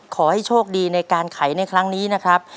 ขอให้โชคดีในการไขในครั้งนี้นะครับ